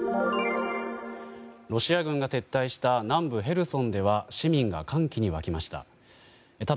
ロシア軍が撤退した南部ヘルソンでは市民が歓喜に沸きました。